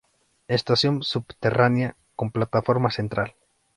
Estación subterránea con plataforma central.